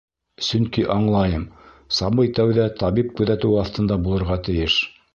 Сөнки аңлайым: сабый тәүҙә табип күҙәтеүе аҫтында булырға тейеш.